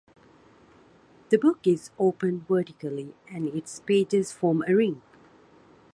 The "book" is opened vertically, and its pages form a ring.